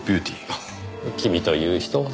あっ君という人は。